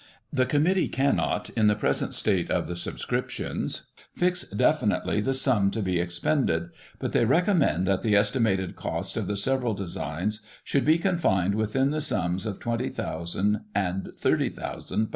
" The Committee cannot, in the present state of the sub scriptions, fix definitely the sum to be expended, but they recommend that the estimated cost of the several designs should be confined within the sums of ;£'20,ooo and ;£'30,ooo.